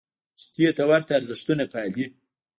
چې دې ته ورته ارزښتونه پالي.